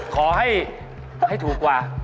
ขอให้ถูกกว่า